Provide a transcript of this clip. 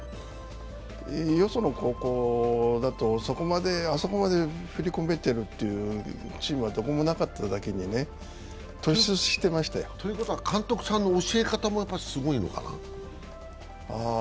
よその高校だとあそこまで振り込めてるチームはどこにもなかっただけに突出してましたよ。ということは監督さんの教え方もすごいのかな。